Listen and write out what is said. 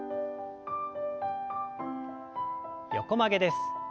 横曲げです。